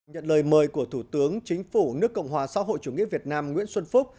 nhận lời mời của thủ tướng chính phủ nước cộng hòa xã hội chủ nghĩa việt nam nguyễn xuân phúc